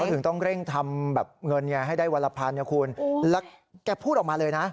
ถึงต้องเร่งทำแบบเงินให้ได้วันละพันนะคุณแล้วแกพูดออกมาเลยนะ